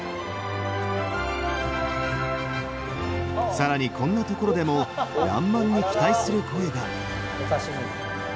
更にこんなところでも「らんまん」を期待する声が。